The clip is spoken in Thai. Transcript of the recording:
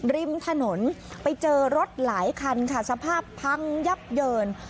ริมถนนไปเจอรถหลายคันค่ะสภาพพังยับเยิน